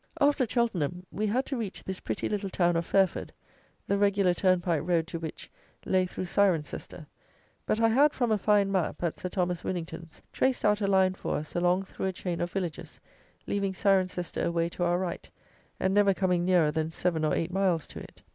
After Cheltenham we had to reach this pretty little town of Fairford, the regular turnpike road to which lay through Cirencester; but I had from a fine map, at Sir Thomas Winnington's, traced out a line for us along through a chain of villages, leaving Cirencester away to our right, and never coming nearer than seven or eight miles to it.